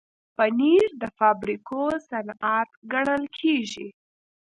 پنېر د فابریکو صنعت ګڼل کېږي.